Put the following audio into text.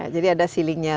jadi ada sealingnya